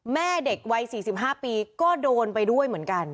แม่เด็กวัย๔๕ปีก็โดนไปด้วยเหมือนกัน